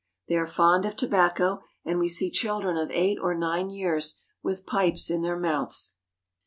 They are fond of tobacco, and we see children of eight or nine years with pipes in their mouths.